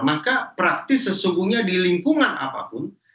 maka praktis sesungguhnya di lingkungan apapun